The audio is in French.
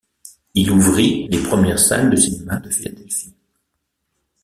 Il ouvrit les premières salles de cinéma de Philadelphie.